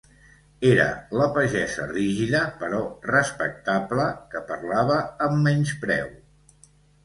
Era la pagesa rígida, però respectable que parlava amb menyspreu.